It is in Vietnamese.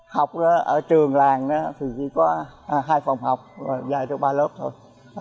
học ở trường làng thì chỉ có hai phòng học và dài cho ba lớp thôi